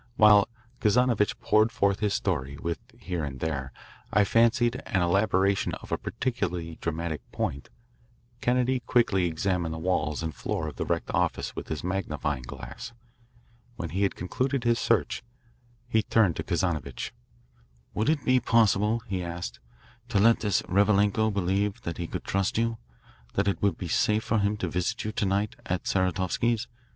While Kazanovitch poured forth his story, with here and there, I fancied, an elaboration of a particularly dramatic point, Kennedy quickly examined the walls and floor of the wrecked office with his magnifying glass. When he had concluded his search, he turned to Kazanovitch. "Would it be possible," he asked, "to let this Revalenko believe that he could trust you, that it would be safe for him to visit you to night at Saratovsky's?